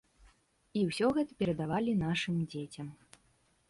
І ўсё гэта перадавалі нашым дзецям.